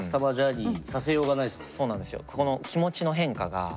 そうなんですよ。